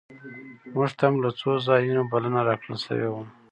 مونږ ته هم له څو ځایونو بلنه راکړل شوې وه.